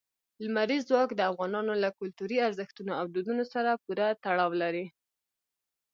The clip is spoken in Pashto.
لمریز ځواک د افغانانو له کلتوري ارزښتونو او دودونو سره پوره تړاو لري.